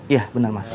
iya bener mas